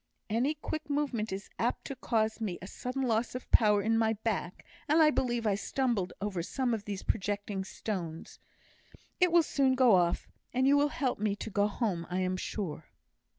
Any quick movement is apt to cause me a sudden loss of power in my back, and I believe I stumbled over some of these projecting stones. It will soon go off, and you will help me to go home, I am sure."